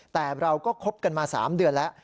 แต่เราก็คบกันมา๓เดือนแล้ว